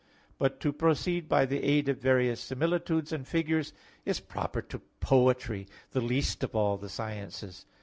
But to proceed by the aid of various similitudes and figures is proper to poetry, the least of all the sciences.